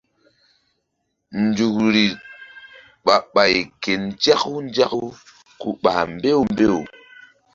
Nzukri ɓah ɓay ke nzaku nzaku ku ɓah mbew mbew.